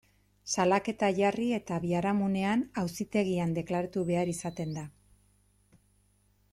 Salaketa jarri eta biharamunean, auzitegian deklaratu behar izaten da.